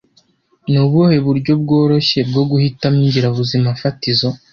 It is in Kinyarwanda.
Ni ubuhe buryo bworoshye bwo guhitamo ingirabuzimafatizo